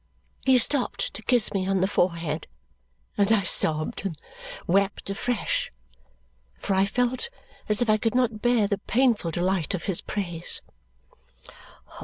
He stopped to kiss me on the forehead, and I sobbed and wept afresh. For I felt as if I could not bear the painful delight of his praise.